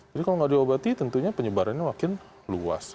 jadi kalau tidak diobati tentunya penyebarannya makin luas